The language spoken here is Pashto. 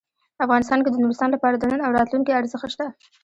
افغانستان کې د نورستان لپاره د نن او راتلونکي ارزښت شته.